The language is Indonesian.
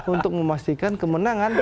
untuk memastikan kemenangan